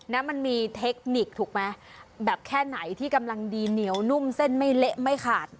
นะมันมีเทคนิคถูกไหมแบบแค่ไหนที่กำลังดีเหนียวนุ่มเส้นไม่เละไม่ขาด